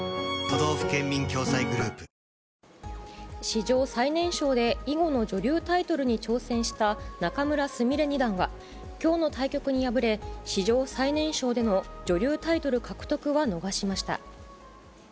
史上最年少で囲碁の女流タイトルに挑戦した仲邑菫二段は、きょうの対局に敗れ、史上最年少での女流タイトル獲得は逃しました。